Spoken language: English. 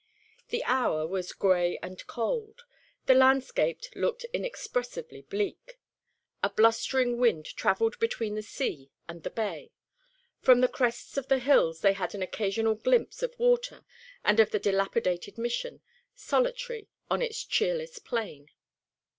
The hour was grey and cold. The landscape looked inexpressibly bleak. A blustering wind travelled between the sea and the bay. From the crests of the hills they had an occasional glimpse of water and of the delapidated Mission, solitary on its cheerless plain.